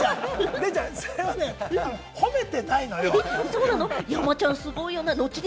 デイちゃん、それは褒めていないのよ。